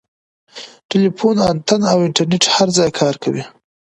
ټیلیفون انتن او انټرنیټ هر ځای کار کوي.